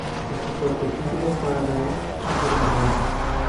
Es el cuarto título para el equipo de "La Franja".